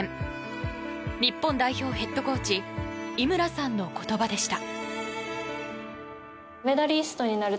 日本代表ヘッドコーチ井村さんの言葉でした。